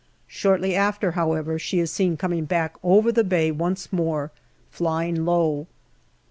Shortly after, however, she is seen coming back over the bay once more, flying low.